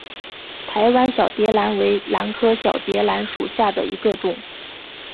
台湾小蝶兰为兰科小蝶兰属下的一个种。